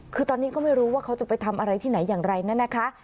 คือตอนนี้ก็ไม่รู้ว่าเขาจะไปทำอะไรที่ไหนอย่างไรนั่นนะคะ